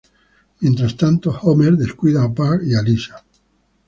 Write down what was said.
Mientras tanto Homer descuida a Bart y a Lisa.